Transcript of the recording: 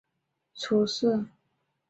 耶尔朱哲和迈尔朱哲出世。